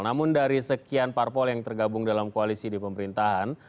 namun dari sekian parpol yang tergabung dalam koalisi di pemerintahan